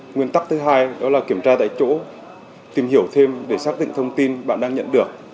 nguyên tắc thứ hai đó là kiểm tra tại chỗ tìm hiểu thêm để xác định thông tin bạn đang nhận được